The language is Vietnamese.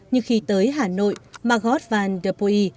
nhưng khi tới hà nội margot van der poel